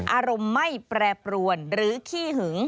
อารมณ์ไม่แปรปรวนหรือขี้หึง